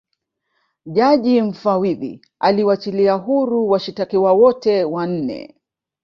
jaji mfawidhi aliwachilia huru washitakiwa wote wanne